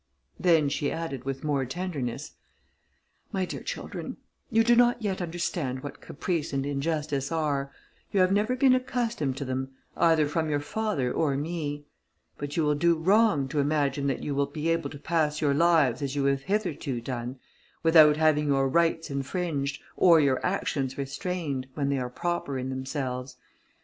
Then she added, with more tenderness, "My dear children, you do not yet understand what caprice and injustice are; you have never been accustomed to them, either from your father or me; but you will do wrong to imagine that you will be able to pass your lives, as you have hitherto done, without having your rights infringed, or your actions restrained, when they are proper in themselves.